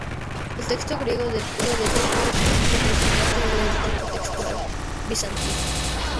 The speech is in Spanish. El texto griego del códice es un representante del tipo textual bizantino.